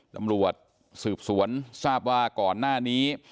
ตำรวจสืบสวนทราบว่าก่อนหน้านี้